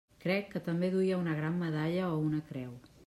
Crec que també duia una gran medalla o una creu.